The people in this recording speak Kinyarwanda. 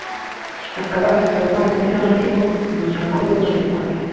akaba afite abavandimwe n’abandi bo mu muryango we b’abanyarwanda